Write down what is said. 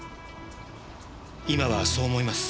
今はそう思います。